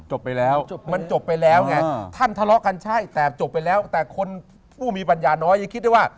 ไปแล้วมันจบไปแล้วไงท่านทะเลาะกันใช่แต่จบไปแล้วแต่คนผู้มีปัญญาน้อยยังคิดได้ว่า